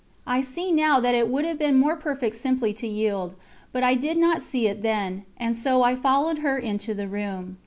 I see now that it would have been more perfect simply to yield, but I did not see it then, and so I followed her into the room.